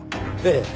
ええ。